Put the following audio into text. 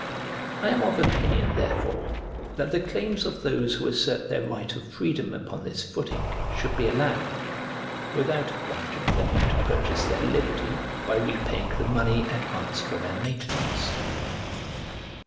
I am of opinion therefore that the claims of those who assert their right of freedom upon this footing should be allowed; without obliging them to purchase their liberty by repaying the money advanced for their maintenance.